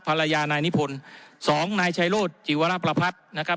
ภรรยานายนิพนธ์สองนายชัยโรธจิวรประพัฒน์นะครับ